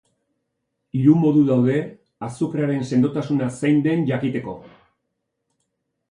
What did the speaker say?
Hiru modu daude azukrearen sendotasuna zein den jakiteko.